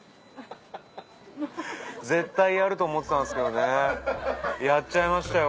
絶対やると思ってたんですけどねやっちゃいましたよ